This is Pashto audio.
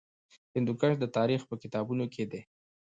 هندوکش د تاریخ په کتابونو کې دی.